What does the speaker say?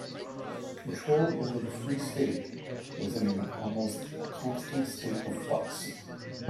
Control over the Free State was in an almost constant state of flux.